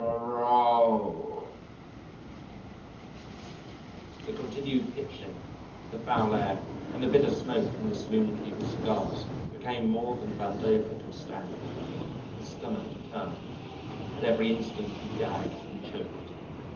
The continued pitching, the foul air, and the bitter smoke from the saloonkeepers' cigars became more than Vandover could stand. His stomach turned, at every instant he gagged and choked.